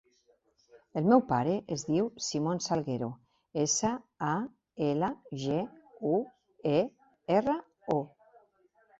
El meu pare es diu Simon Salguero: essa, a, ela, ge, u, e, erra, o.